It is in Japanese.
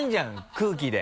空気で。